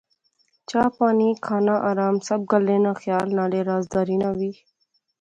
چاء پانی، کھانا آرام۔۔۔ سب گلیں ناں خیال۔ نالے رازداری ناں وی